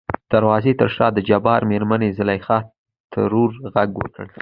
د دروازې تر شا دجبار مېرمنې زليخا ترور غږ وکړ .